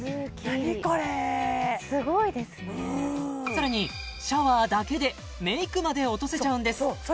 何これさらにシャワーだけでメイクまで落とせちゃうんです